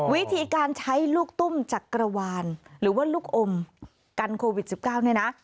วิธีการใช้ลูกตุ้มจักรวาลหรือว่าลูกอมกันโควิด๑๙เนี่ยนะ